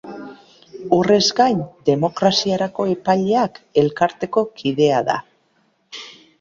Horrez gain, Demokraziarako Epaileak elkarteko kidea da.